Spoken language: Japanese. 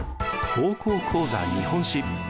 「高校講座日本史」。